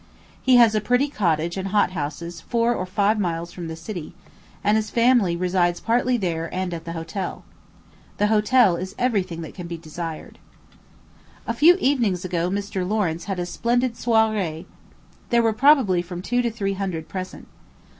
He has a pretty cottage and hothouses four or five miles from the city; and his family resides partly there and at the hotel. The hotel is every thing that can be desired. A few evenings ago, Mr. Lawrence had a splendid soirée. There were probably from two to three hundred present.